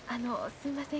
すんません。